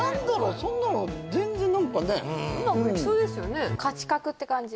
そんなの全然何かねうまくいきそうですよね